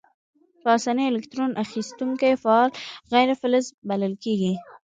په آساني الکترون اخیستونکي فعال غیر فلز بلل کیږي.